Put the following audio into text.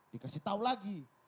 dikasih tau lagi